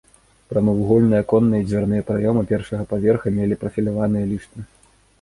Прамавугольныя аконныя і дзвярныя праёмы першага паверха мелі прафіляваныя ліштвы.